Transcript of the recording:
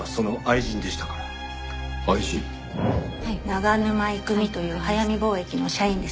長沼郁美という速水貿易の社員です。